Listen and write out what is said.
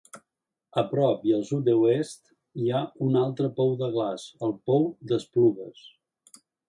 A prop i al sud-oest hi ha un altre pou de glaç: el Pou d'Esplugues.